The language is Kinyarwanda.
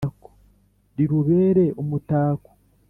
Rirubere umutako